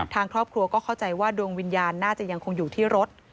ทางครอบครัวก็เข้าใจว่าดวงวิญญาณน่าจะยังคงอยู่ที่รถ